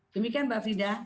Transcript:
demikian mbak frida